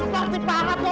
ini bukan saksi banget loh